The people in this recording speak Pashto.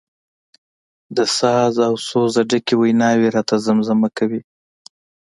له ساز او سوزه ډکې ویناوي راته زمزمه کوي.